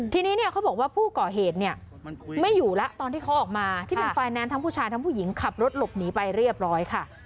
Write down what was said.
ทีนี้เนี่ยเขาบอกว่าผู้ก่อเหตุเนี่ยไม่อยู่แล้วตอนที่เขาออกมาที่เป็นไฟแนนซ์ทั้งผู้ชายทั้งผู้หญิงขับรถหลบหนีไปเรียบร้อยค่ะ